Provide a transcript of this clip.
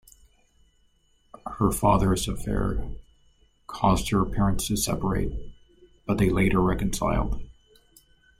Her father's affair caused her parents to separate, but they later reconciled.